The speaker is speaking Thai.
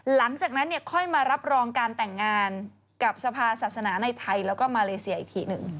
หลังจากนั้นค่อยมารับรองการแต่งงานกับสภาศาสนาในไทยแล้วก็มาเลเซียอีกทีหนึ่ง